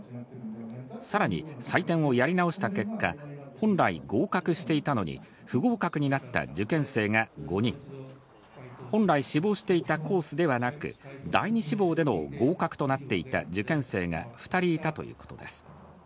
さらに採点をやり直した結果、本来、合格していたのに不合格になった受験生が５人、本来志望していたコースではなく、第２志望での合格となっていた受験生が２人いたということです。